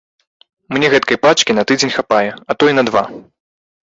Мне гэткай пачкі на тыдзень хапае, а то і на два.